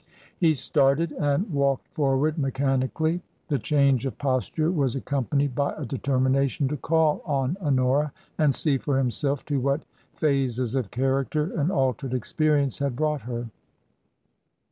He started and walked forward mechani cally. The change of posture was accompanied by a determination to call on Honora and see for himself to what phases of character an altered experience had brought her.